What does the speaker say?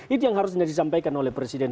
itu yang harusnya disampaikan oleh presiden